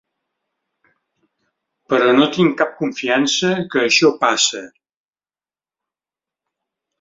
Però no tinc cap confiança que això passe.